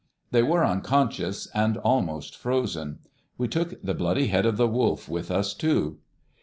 They were unconscious and almost frozen. We took the bloody head of the wolf with us too.